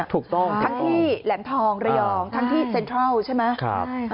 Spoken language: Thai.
ถึงที่แหลมทองระยองที่เซ็นทรัลใช่ไหม